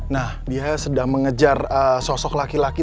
nah dia sedang mengejar sosok laki laki